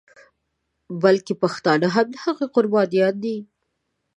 بلکې پښتانه هم د هغوی قربانیان دي.